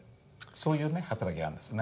そういうね働きがあるんですね。